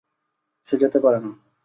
সে যেতে পারে না।